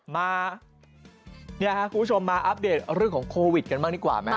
มาเนี่ยค่ะคุณผู้ชมมาอัปเดตเรื่องของโควิดกันบ้างดีกว่าไหม